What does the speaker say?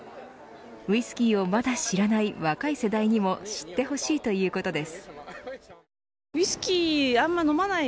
ウイスキーをまだ知らない若い世代にも知ってほしいということです。